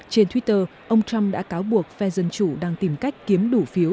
trên twitter ông trump đã cáo buộc phe dân chủ đang tìm cách kiếm đủ phiếu